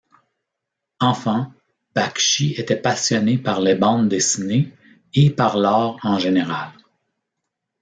Enfant, Bakshi était passionné par les bandes dessinées et par l’art en général.